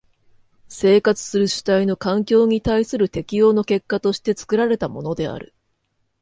生活する主体の環境に対する適応の結果として作られたものである。